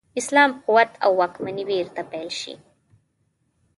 اسلام قوت او واکمني بیرته پیل شي.